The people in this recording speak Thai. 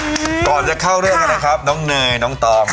ก่อนจะเข้าเรื่องกันนะครับน้องเนยน้องตอง